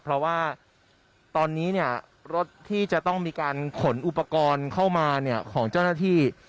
เพราะว่าตอนนี้รถที่จะต้องมีการขนอุปกรณ์เข้ามาของเจ้าหน้าที่